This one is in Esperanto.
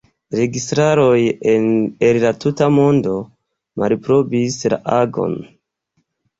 Registaroj el la tuta mondo malaprobis la agon.